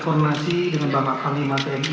koronasi dengan bapak pak limatemi